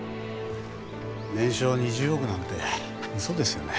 年商２０億なんて嘘ですよね？